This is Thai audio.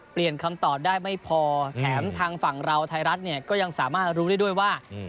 คำตอบได้ไม่พอแถมทางฝั่งเราไทยรัฐเนี่ยก็ยังสามารถรู้ได้ด้วยว่า